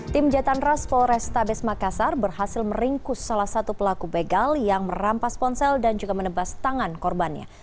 tim jatan ras polrestabes makassar berhasil meringkus salah satu pelaku begal yang merampas ponsel dan juga menebas tangan korbannya